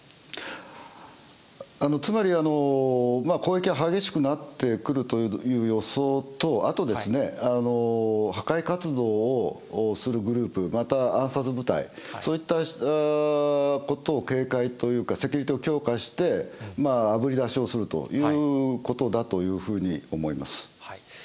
つまり、攻撃が激しくなってくるという予想と、あとですね、破壊活動をするグループ、また暗殺部隊、そういったことを警戒というか、セキュリティーを強化して、あぶり出しをするということだというふうに思います。